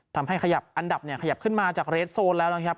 ขยับอันดับเนี่ยขยับขึ้นมาจากเรสโซนแล้วนะครับ